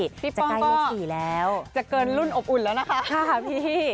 จะใกล้๑๔แล้วค่ะพี่